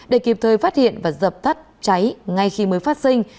để kịp thời phát hiện và dập tắt cháy ngay khi mới phát sinh